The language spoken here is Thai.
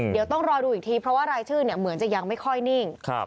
เดี๋ยวต้องรอดูอีกทีเพราะว่ารายชื่อเหมือนจะยังไม่ค่อยนิ่ง